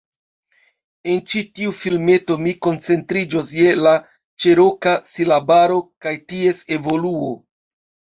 En ĉi tiu filmeto, mi koncentriĝos je la Ĉeroka silabaro kaj ties evoluo